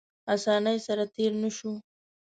اسانۍ سره تېر نه شو.